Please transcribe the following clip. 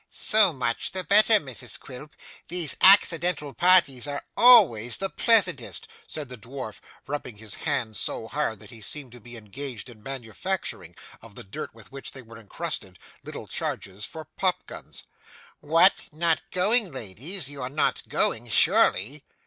'So much the better, Mrs Quilp; these accidental parties are always the pleasantest,' said the dwarf, rubbing his hands so hard that he seemed to be engaged in manufacturing, of the dirt with which they were encrusted, little charges for popguns. 'What! Not going, ladies, you are not going, surely!